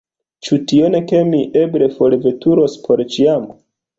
Ĉu tion, ke mi eble forveturos por ĉiam?